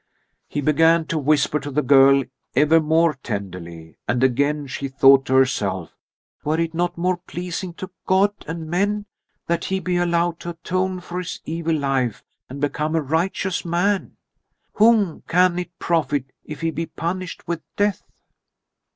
He began to whisper to the girl ever more tenderly, and again she thought to herself: "Were it not more pleasing to God and men that he be allowed to atone for his evil life and become a righteous man? Whom can it profit if he be punished with death?"